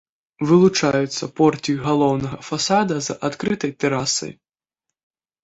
Вылучаецца порцік галоўнага фасада з адкрытай тэрасай.